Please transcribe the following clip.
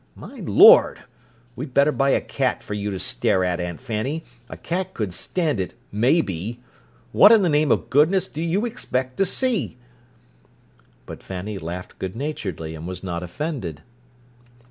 My Lord! We'd better buy a cat for you to stare at, Aunt Fanny! A cat could stand it, maybe. What in the name of goodness do you expect to see?" But Fanny laughed good naturedly, and was not offended.